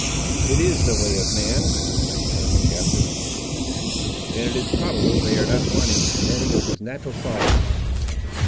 "It is the way of man," returned the Captain; "and it is probable they are not wanting in any of his natural qualities."